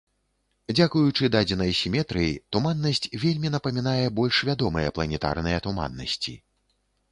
Дзякуючы дадзенай сіметрыі туманнасць вельмі напамінае больш вядомыя планетарныя туманнасці.